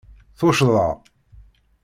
Tuccḍa!